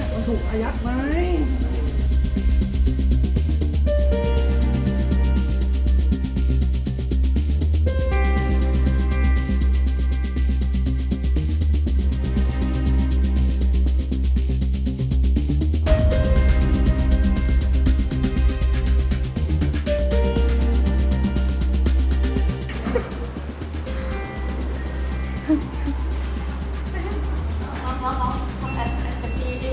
คุณบอกวันนี้ตอนข้างล่ะ